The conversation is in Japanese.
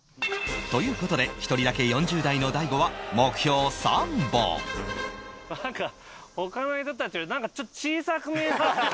という事で一人だけ４０代の大悟は目標３本なんか他の人たちよりちょっと小さく見えますね。